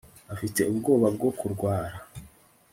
afite ubwoba bwo kurwara